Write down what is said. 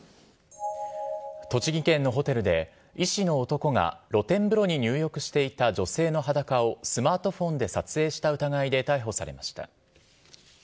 栃木県のホテルで、医師の男が露天風呂に入浴していた女性の裸をスマートフォンで撮影した疑いで逮捕されました。